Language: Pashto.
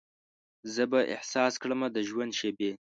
زه به احساس کړمه د ژرندې شیبې